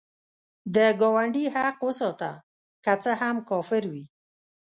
د ګاونډي حق وساته، که څه هم کافر وي